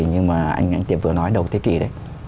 như mà anh tiệp vừa nói đầu thế kỷ đấy